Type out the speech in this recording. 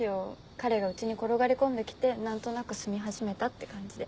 彼が家に転がり込んで来て何となく住み始めたって感じで。